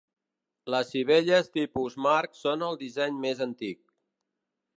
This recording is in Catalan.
Les sivelles tipus marc són el disseny més antic.